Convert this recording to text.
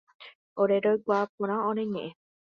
Ore roikuaa porã ore ñe'ẽ